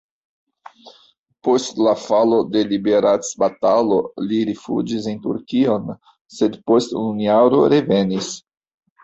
Post la falo de liberecbatalo li rifuĝis en Turkion, sed post unu jaro revenis.